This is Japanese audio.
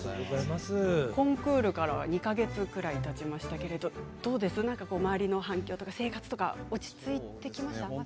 コンクールから２か月ぐらいたちましたが周りの反響生活とか落ち着いてきましたか？